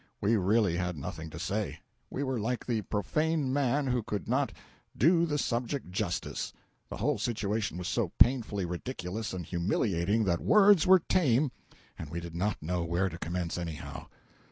We really had nothing to say. We were like the profane man who could not "do the subject justice," the whole situation was so painfully ridiculous and humiliating that words were tame and we did not know where to commence anyhow.